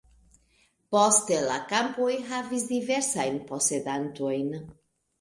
Poste la kampoj havis diversajn posedantojn.